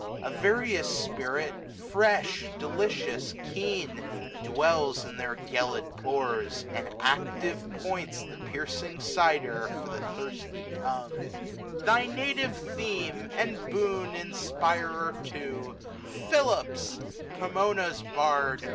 A various spirit, fresh, delicious, keen, 640 Dwells in their gelid pores } and, active, points The piercing cyder for the thirsty tongue : Thy native theme, and boon inspirer too. Philips, Pomona's bard!